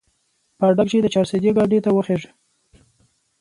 په اډه کښې د چارسدې ګاډي ته وخېژه